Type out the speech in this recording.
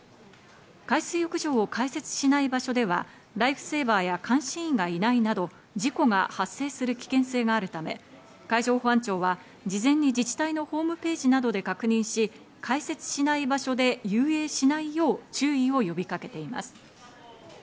海水浴場を開設しない場所ではライフセーバーや監視員がいないなど、事故が発生する危険性があるため、海上保安庁は事前に自治体のホームページなどで確認し、開設しない場所で遊泳しないよう注意を呼びかけています。